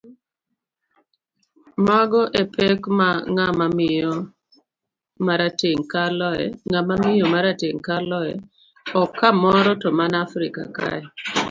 Mago epek ma ng'ama miyo marateng kaloe, ok kamoro to mana Afrika kae.